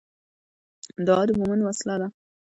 دعا د مومن وسله ده